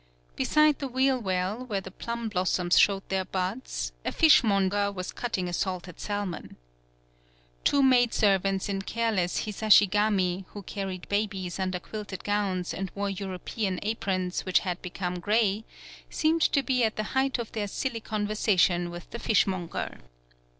Be side the wheel well, where the plum blossoms showed their buds, a fish monger was cutting a salted salmon. Two maidservants in careless Hisashi gami, who carried babies under quilted gowns and wore European aprons which had become gray, seemed to be at the height of their silly conversation with the fishmonger.